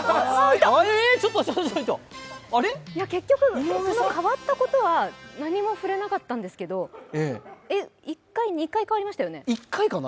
結局、代わったことは何も触れなかったんですけど１回、２回、代わりましたよね？